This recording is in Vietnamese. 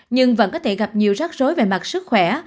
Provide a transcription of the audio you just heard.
nhưng vẫn có thể gặp nhiều rắc rối về mặt sức khỏe